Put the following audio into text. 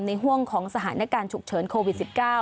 ห่วงของสถานการณ์ฉุกเฉินโควิด๑๙